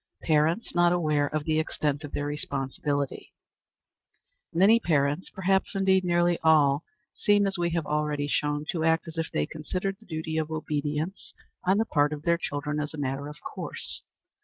Parents not aware of the Extent of their Responsibility. Many parents, perhaps indeed nearly all, seem, as we have already shown, to act as if they considered the duty of obedience on the part of their children as a matter of course.